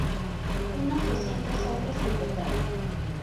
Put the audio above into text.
Unos doscientos hombres en total.